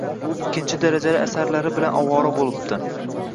Ikkinchi darajali asarlari bilan ovora bo‘libdi…